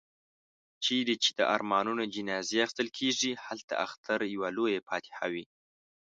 چيري چي د ارمانونو جنازې اخيستل کېږي، هلته اختر يوه لويه فاتحه وي.